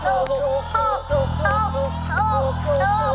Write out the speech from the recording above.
ยินดี